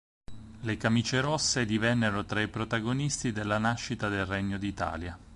Le camicie rosse divennero tra i protagonisti della nascita del Regno d'Italia.